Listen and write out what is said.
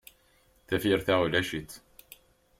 Tafyirt-a ulac-itt.